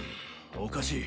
おかしい。